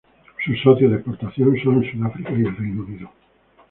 Sus socios de exportación son Sudáfrica y el Reino Unido.